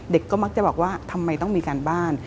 ก็มักจะบอกว่าทำไมต้องมีการบ้าน